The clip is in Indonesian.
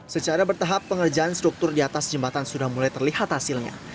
secara bertahap pengerjaan struktur di atas jembatan sudah mulai terlihat hasilnya